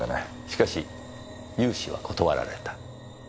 しかし融資は断られた。